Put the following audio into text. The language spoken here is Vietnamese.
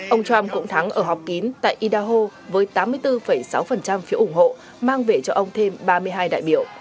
ông trump cũng thắng ở họp kín tại idaho với tám mươi bốn sáu phiếu ủng hộ mang về cho ông thêm ba mươi hai đại biểu